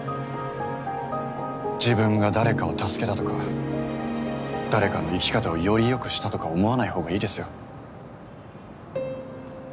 自分が誰かを助けたとか誰かの生き方をよりよくしたとか思わないほうがいいですよ。